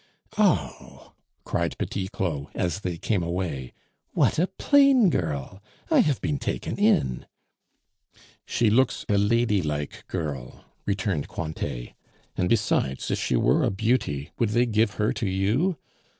"Oh!" cried Petit Claud, as they came away, "what a plain girl! I have been taken in " "She looks a lady like girl," returned Cointet, "and besides, if she were a beauty, would they give her to you?